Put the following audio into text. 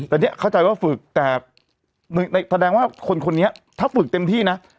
แต่เนี่ยเข้าใจว่าฝึกแต่แสดงว่าคนนี้ถ้าฝึกเต็มที่นะ